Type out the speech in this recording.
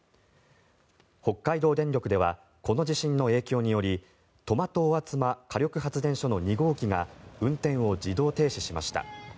北海道電力ではこの地震の影響により苫東厚真火力発電所の２号機が運転を自動停止しました。